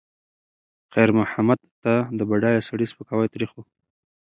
خیر محمد ته د بډایه سړي سپکاوی تریخ و.